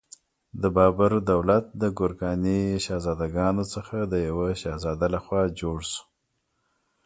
د بابر دولت د ګورکاني شهزادګانو څخه د یوه شهزاده لخوا جوړ شو.